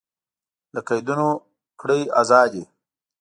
له قیدونو کړئ ازادي